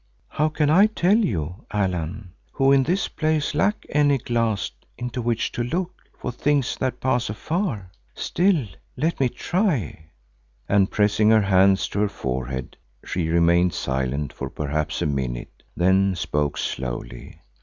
"How can I tell you, Allan, who in this place lack any glass into which to look for things that pass afar. Still, let me try," and pressing her hands to her forehead, she remained silent for perhaps a minute, then spoke slowly.